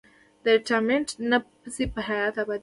د ريټائرمنټ نه پس پۀ حيات اباد پېښور کښې